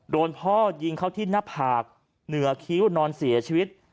โดนพ่อยิงเข้าที่หน้าผากเหนือคิ้วนอนเสียชีวิต